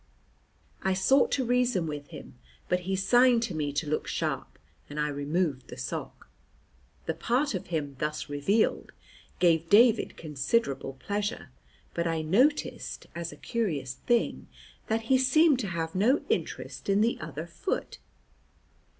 I sought to reason with him, but he signed to me to look sharp, and I removed the sock. The part of him thus revealed gave David considerable pleasure, but I noticed, as a curious thing, that he seemed to have no interest in the other foot.